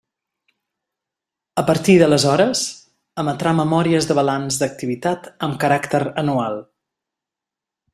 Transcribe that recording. A partir d'aleshores, emetrà memòries de balanç d'activitat amb caràcter anual.